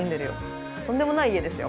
とんでもない家ですよ